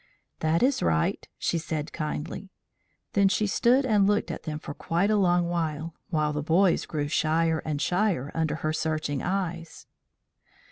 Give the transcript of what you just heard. "That is right," she said kindly. Then she stood and looked at them for quite a long time, while the boys grew shyer and shyer under her searching eyes.